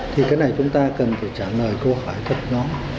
thì cái này chúng ta cần phải trả lời câu hỏi thật nó